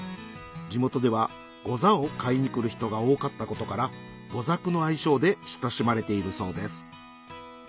地元では茣蓙を買いに来る人が多かったことから「ござ九」の愛称で親しまれているそうです